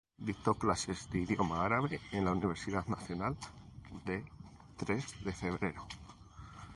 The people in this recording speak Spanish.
Dictó clases de idioma árabe en la Universidad Nacional de Tres de Febrero.